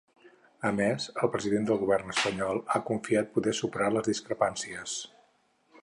A més, el president del govern espanyol ha confiat poder ‘superar les discrepàncies’.